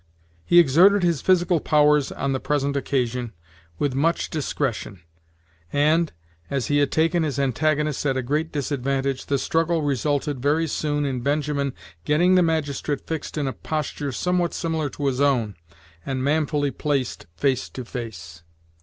He exerted his physical powers on the present occasion, with much discretion; and, as he had taken his antagonist at a great disadvantage, the struggle resulted very soon in Benjamin getting the magistrate fixed in a posture somewhat similar to his own, and manfully placed face to face.